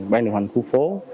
ban điều hành khu phố